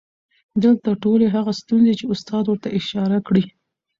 دلته ټولې هغه ستونزې چې استاد ورته اشاره کړى